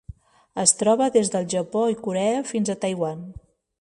Es troba des del Japó i Corea fins a Taiwan.